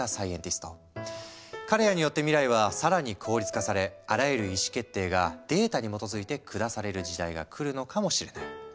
彼らによって未来は更に効率化されあらゆる意思決定がデータに基づいて下される時代がくるのかもしれない。